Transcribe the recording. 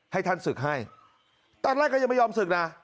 ให้ท่านศึกให้ตอนแรกก็ยังไม่ยอมศึกนะ